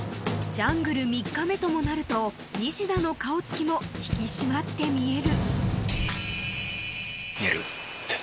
［ジャングル３日目ともなるとニシダの顔つきも引き締まって見える］